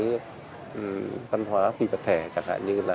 hoạt động văn hóa phi vật thể chẳng hạn như là